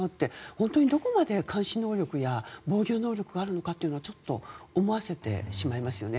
本当にどこまで監視能力や防御能力があるのかとちょっと思わせてしまいますね。